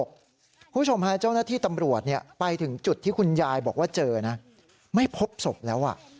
คุณผู้ชมฮะเจ้าหน้าที่ตำรวจไปถึงจุดที่คุณยายบอกว่าเจอนะไม่พบศพแล้ว